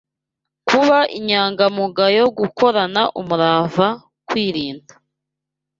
kuba inyangamugayo, gukorana umurava, kwirinda